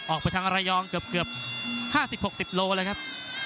ออกไปทางอรายองค์เกือบเกือบห้าสิบหกสิบโลนะครับ